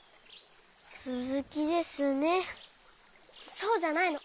そうじゃないの。